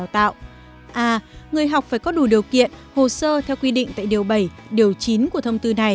à người học phải có đủ điều kiện hồ sơ theo quy định tại điều bảy điều chín của thông tư này